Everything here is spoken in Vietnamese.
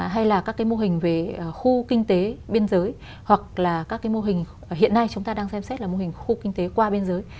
hay là các cái mô hình về khu kinh tế biên giới hoặc là các cái mô hình hiện nay chúng ta đang xem xét là mô hình khu kinh tế qua biên giới